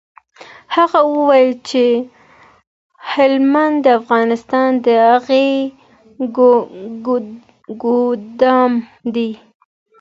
هغه وویل چي هلمند د افغانستان د غلې ګودام دی.